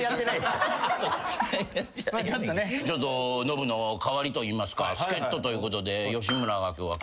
ノブの代わりといいますか助っ人ということで吉村が今日は。